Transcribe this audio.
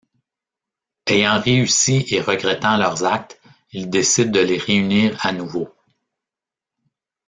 Ayant réussi et regrettant leurs actes, ils décident de les réunir à nouveau.